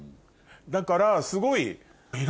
だからすごい。